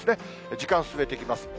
時間進めていきます。